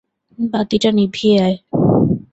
বাতিটা নিভিয়ে আয়।